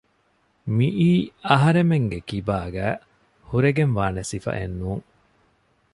މިއީ އަހަރެމެންގެކިބާގައި ހުރެގެންވާނެ ސިފައެއްނޫން